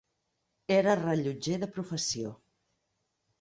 Era rellotger de professió.